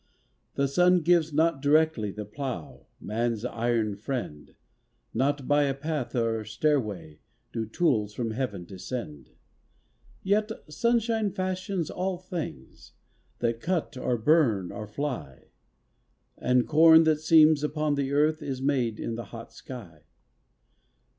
The sun gives not directly The plough, man's iron friend; Not by a path or stairway Do tools from Heaven descend. Yet sunshine fashions all things That cut or burn or fly; And corn that seems upon the earth Is made in the hot sky.